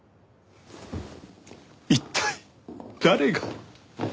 一体誰が。